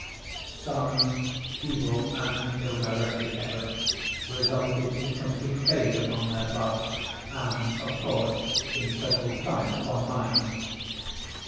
Some feeble and ill directed efforts resulted in complete failure on their part, and, of course, in total triumph on mine.